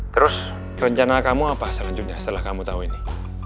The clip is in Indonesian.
terus rencana kamu apa selanjutnya setelah kamu tahu ini